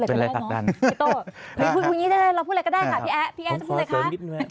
นี่เออเราพูดอะไรกันเนอะพี่โต๊ะเราพูดอะไรกันเนอะพี่แอ๊พี่แอ๊จะพูดอะไรคะ